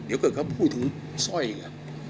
เดี๋ยวเกิดเขาพูดถึงสร้อยอีก